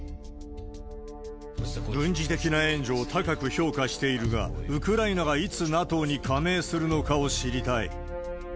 軍事的な援助を高く評価しているが、ウクライナがいつＮＡＴＯに加盟するのかを知りたい。